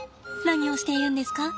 何をしているんですか？